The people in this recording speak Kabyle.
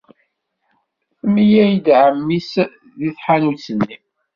Temlal-d ɛemmi-s deg tḥanut-nni.